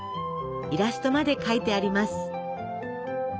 イラストまで描いてあります。